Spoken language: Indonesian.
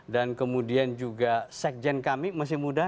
dan kemudian juga sekjen kami masih muda